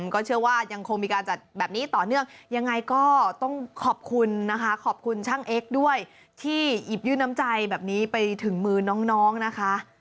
ก็เชื่อว่ายังคงมีการจัดแบบนี้ต่อเนื่องยังไงก็ต้องขอบคุณนะคะขอบคุณช่างเอ็กซ์ด้วยที่หยิบยื่นน้ำใจแบบนี้ไปถึงมือน้องนะคะ